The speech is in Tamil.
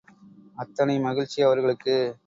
அத்தனை மகிழ்ச்சி அவர்களுக்கு.